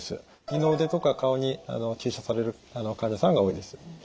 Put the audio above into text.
二の腕とか顔に注射される患者さんが多いです。